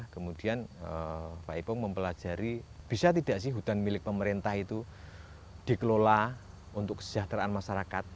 kemudian pak ipong mempelajari bisa tidak sih hutan milik pemerintah itu dikelola untuk kesejahteraan masyarakat